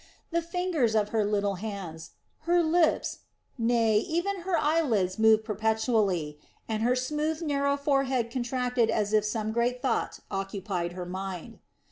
The fingers of her little hands, her lips, nay, even her eyelids moved perpetually, and her smooth, narrow forehead contracted as if some great thought occupied her mind.